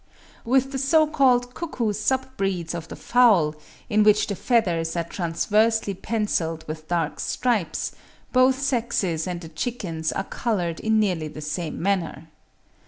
With the so called Cuckoo sub breeds of the fowl, in which the feathers are transversely pencilled with dark stripes, both sexes and the chickens are coloured in nearly the same manner.